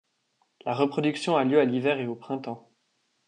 La reproduction a lieu à l’hiver et au printemps.